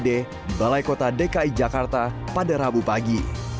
di balai kota dki jakarta pada rabu pagi